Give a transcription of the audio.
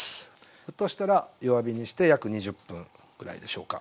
沸騰したら弱火にして約２０分ぐらいでしょうか。